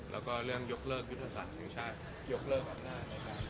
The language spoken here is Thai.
แล้วก็เรื่องยกเลิกวิทยาศาสตร์ของชาติยกเลิกแบบนั้น